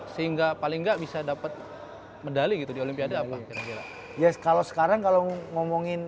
sehingga paling nggak bisa dapat medali gitu di olimpiade apa kira kira yes kalau sekarang kalau ngomongin